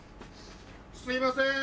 すいません